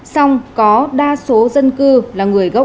song có đa số dân cư là người gốc